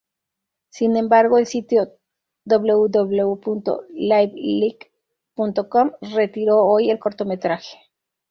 Sin embargo, el sitio www.liveleak.com retiró hoy el cortometraje.